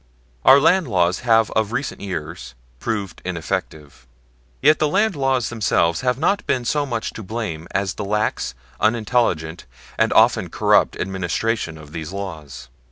Our land laws have of recent years proved inefficient; yet the land laws themselves have not been so much to blame as the lax, unintelligent, and often corrupt administration of these laws.